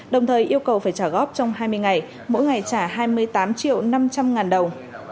đồng thời yêu cầu phải trả góp trong hai mươi ngày mỗi ngày trả hai mươi tám triệu năm trăm linh ngàn đồng